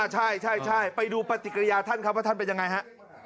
ใช่ไปดูปฏิกิริยาท่านครับว่าท่านเป็นยังไงฮะ